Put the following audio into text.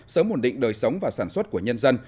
sớm ổn định đời sống và sản xuất của nhân dân